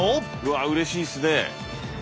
わあうれしいっすね。